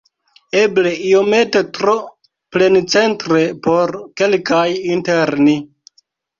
Eble iomete tro plencentre por kelkaj inter ni.